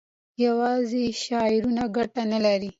یوازې شعارونه ګټه نه لري.